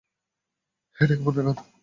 এটা কেমন গান?